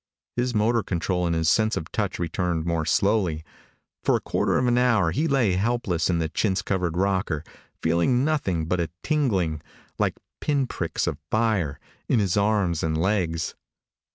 His motor control and his sense of touch returned more slowly. For a quarter of an hour he lay helpless in the chintz covered rocker, feeling nothing but a tingling, like pin pricks of fire, in his arms and legs.